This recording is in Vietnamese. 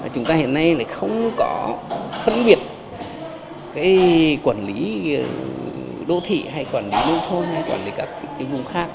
chúng ta hiện nay không có phân biệt quản lý đô thị hay quản lý nông thôn hay quản lý các vùng khác